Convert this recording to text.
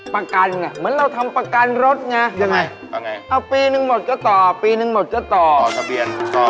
ถ้าจะจัดสนามแข่งอย่างอีกงี้